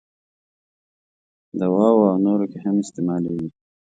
دواوو او نورو کې هم استعمالیږي.